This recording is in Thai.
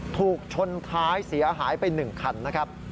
ถูกชนท้ายเสียหายไป๑คันนะครับ